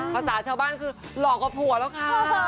ภาษาชาวบ้านคือหล่อกว่าผัวแล้วค่ะ